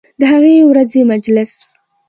د هغې ورځې مجلس